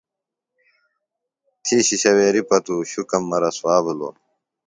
تھی شِشویریۡ پتوۡ شُکم مہ رسوا بِھلوۡ۔